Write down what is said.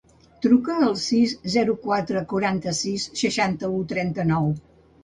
Truca al sis, zero, quatre, quaranta-sis, seixanta-u, trenta-nou.